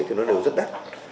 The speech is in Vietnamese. thì nó đều rất đắt